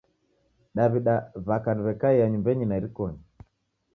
Daw'ida w'aka ni w'ekaiya nyumbenyi na irikonyi.